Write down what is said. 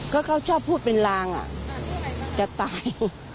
ก็เขาชอบพูดเป็นลางจะตาย